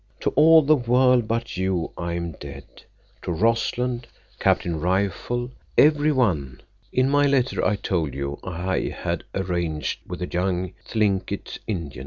To all the world but you I am dead—to Rossland, Captain Rifle, everyone. In my letter I told you I had arranged with the young Thlinkit Indian.